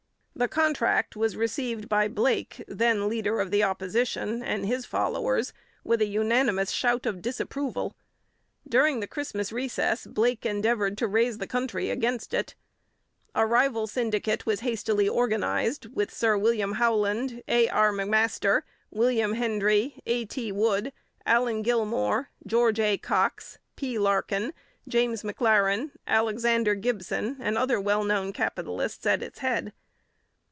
The contract was received by Blake, then leader of the Opposition, and his followers with a unanimous shout of disapproval. During the Christmas recess Blake endeavoured to raise the country against it. A rival syndicate was hastily organized, with Sir William Howland, A. R. M'Master, William Hendrie, A. T. Wood, Allan Gilmour, George A. Cox, P. Larkin, James M'Laren, Alexander Gibson, and other well known capitalists at its head.